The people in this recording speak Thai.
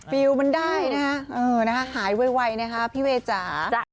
ฟิลล์มันได้นะหายไวนะครับพี่เวจ๋า